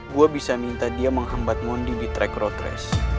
gue bisa minta dia menghambat mondi di track roadress